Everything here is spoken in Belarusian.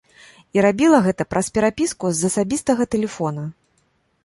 І рабіла гэта праз перапіску з асабістага тэлефона.